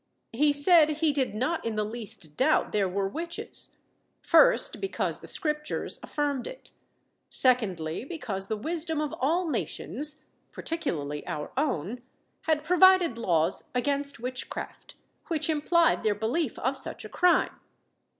He said, he did not in the least doubt there were witches; first, Because the Scriptures affirmed it; secondly, Because the wisdom of all nations, particularly our own, had provided laws against witchcraft, which implied their belief of such a crime.